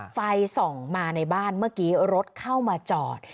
ไฟส่องมาในบ้านเมื่อกี้รถเข้ามาจอด